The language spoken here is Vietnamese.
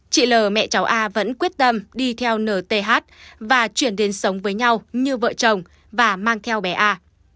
chị l mẹ cháu a vẫn quyết tâm đi theo nth và chuyển đến sống với nhau như vợ chồng và mang theo bé a